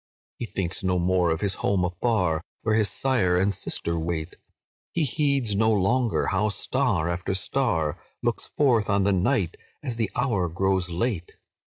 "He thinks no more of his home afar, Where his sire and sister wait; He heeds no longer how star after star Looks forth on the night, as the hour grows late.